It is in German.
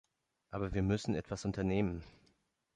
Aber wir müssen etwas unternehmen.